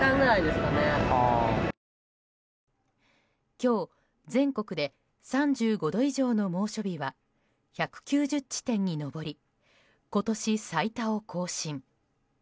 今日、全国で３５度以上の猛暑日は１９０地点に上り今年最多を更新。